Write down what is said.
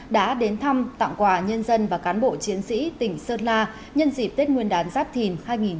đã đến thăm tặng quà nhân dân và cán bộ chiến sĩ tỉnh sơn la nhân dịp tết nguyên đán giáp thìn hai nghìn hai mươi bốn